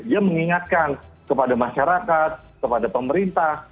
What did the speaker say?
dia mengingatkan kepada masyarakat kepada pemerintah